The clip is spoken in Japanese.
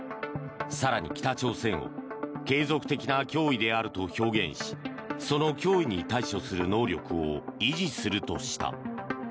更に北朝鮮を継続的な脅威であると表現しその脅威に対処する能力を維持するとした。